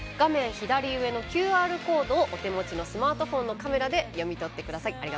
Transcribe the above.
左上のＱＲコードをお手持ちのスマートフォンのカメラで読み取ってください。